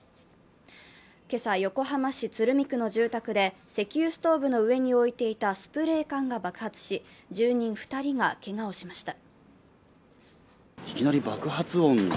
今朝、横浜市鶴見区の住宅で石油ストーブの上に置いていたスプレー缶が爆発し住人２人がけがをしました。